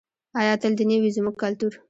آیا تل دې نه وي زموږ کلتور؟